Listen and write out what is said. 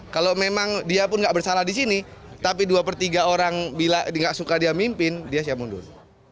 kalau memang dia pun nggak bersalah di sini tapi dua persatu orang nggak suka dia mimpin dia siap mundur